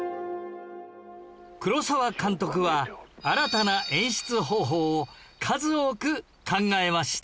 黒澤監督は新たな演出方法を数多く考えました